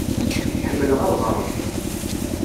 Ḥemmleɣ ad ɣṛeɣ.